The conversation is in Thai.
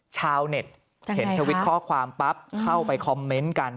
ชาวเน็ตเห็นทวิตข้อความปั๊บเข้าไปคอมเมนต์กัน